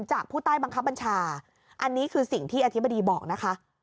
ผู้ใต้บังคับบัญชาอันนี้คือสิ่งที่อธิบดีบอกนะคะ